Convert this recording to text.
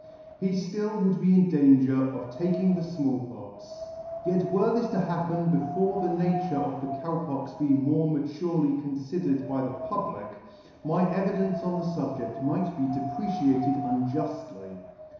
He ftill would be in danger of taking the Small Pox. Yet were this to happen before the nature of the Cow Pox be [ 9 6 ] be more maturely confidered by the public, my evidence on the fubjedt might be depreciated unjuftly.